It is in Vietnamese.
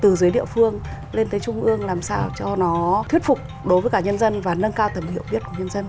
từ dưới địa phương lên tới trung ương làm sao cho nó thuyết phục đối với cả nhân dân và nâng cao tầm hiểu biết của nhân dân